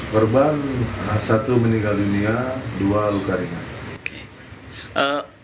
korban satu meninggal dunia dua luka ringan